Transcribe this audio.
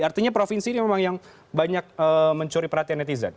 artinya provinsi ini memang yang banyak mencuri perhatian netizen